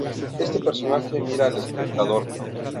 Éste personaje mira al espectador.